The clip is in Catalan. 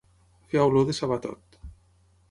Fer olor de sabatot.